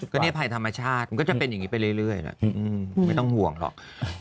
ก็เนี่ยภัยธรรมชาติมันก็จะเป็นอย่างนี้ไปเรื่อยนะไม่ต้องห่วงหรอก